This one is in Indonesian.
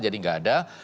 jadi nggak ada